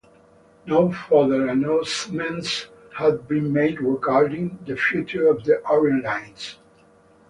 No further announcements have been made regarding the future of the Orient Lines.